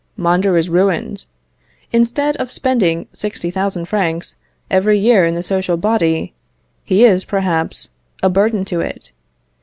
Mondor is ruined. Instead of spending 60,000 francs every year in the social body, he is, perhaps, a burden to it.